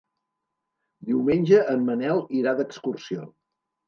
Diumenge en Manel irà d'excursió.